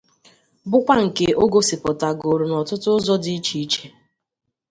bụkwa nke o gosipụtagoro n'ọtụtụ ụzọ dị iche iche